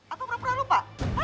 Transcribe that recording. atau pernah perlah lupa